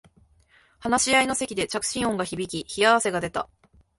話し合いの席で着信音が響き冷や汗が出た